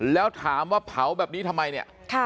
แล้วถามว่าเผาแบบนี้ทำไมเนี่ย